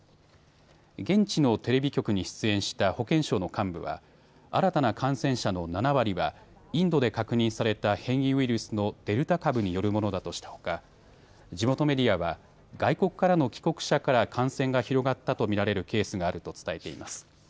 現地のテレビ局に出演した保健省の幹部は新たな感染者の７割はインドで確認された変異ウイルスのデルタ株によるものだとしたほか地元メディアは外国からの帰国者から感染が広がったと見られるケースがあると伝えています。